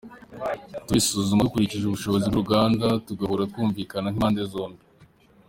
Tubisuzuma dukurikije ubushobozi bw’uruganda, tugahura tukumvikana nk’impande zombi.